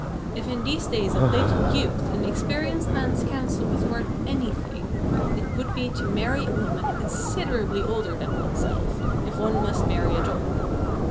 If in these days of blatant youth an experienced man's counsel is worth anything, it would be to marry a woman considerably older than oneself, if one must marry at all.